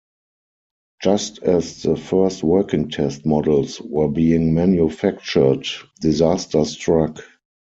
Just as the first working test models were being manufactured, disaster struck.